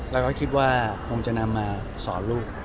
แล้วก็คิดว่าคงจะนำมาสอนลูก